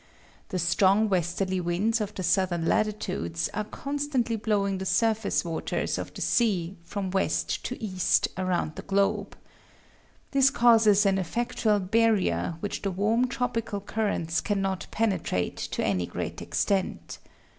The strong westerly winds of the southern latitudes are constantly blowing the surface waters of the sea from west to east around the globe. This causes an effectual barrier, which the warm tropical currents cannot penetrate to any great extent.